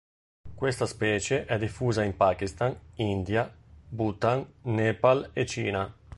Questa specie è diffusa in Pakistan, India, Bhutan, Nepal e Cina.